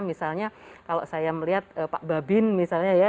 misalnya kalau saya melihat pak babin misalnya ya